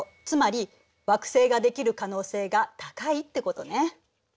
つまり惑星ができる可能性が高いってことね。